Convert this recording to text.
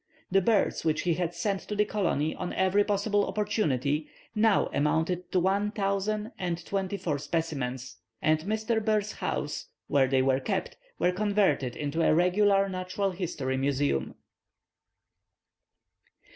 The birds which he had sent to the colony on every possible opportunity now amounted to one thousand and twenty four specimens; and Mr. Boers' house, where they were kept, was converted into a regular natural history museum.